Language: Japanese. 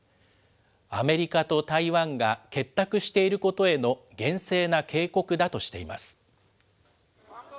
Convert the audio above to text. アメリカと台湾が結託していることへの厳正な警告だとしています。